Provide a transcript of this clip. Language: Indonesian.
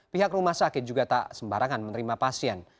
pihak rumah sakit juga tak sembarangan menerima pasien